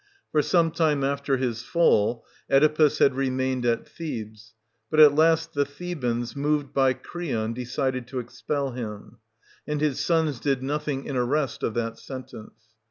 For some time after his fall, Oedipus had remained at Thehes : but at last the Thebans, moved by Creon, decided to expel him ; and his sons did nothing in arrest of that sentence.